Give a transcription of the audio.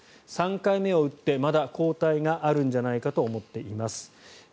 ３回目を打ってまだ抗体があるんじゃないかと思っています。